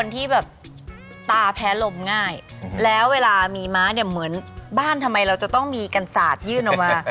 ที่แบบตาแพ้ลมง่ายแล้วเวลามีม้าเนี่ยเหมือนบ้านทำไมเราจะต้องมีกันสาดยื่นออกมา